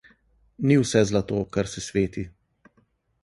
Ni vse zlato, kar se sveti.